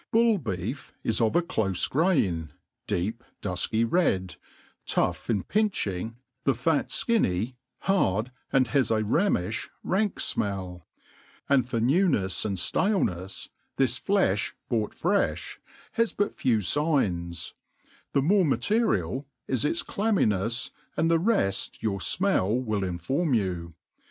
Bull beef it of a cldfe grain, deep duflcy red, tough (ii pinchiaf, the fat fidnny, hard, and that a rammifh railk fmell i and jfor newnefs and ftalenefs, this flefh bought frefli has but few figns ; the more maternal is its clabminefs, and the reft ypu^ fmell will inform. you.